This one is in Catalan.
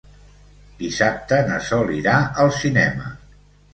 Dissabte na Sol irà al cinema.